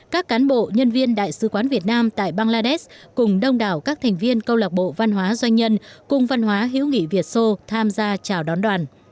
các cán bộ nhân viên đại sứ quán việt nam tại bangladesh cùng đông đảo các thành viên câu lạc bộ văn hóa doanh nhân cùng văn hóa hiếu nghỉ việt xô tham gia chào đón đoàn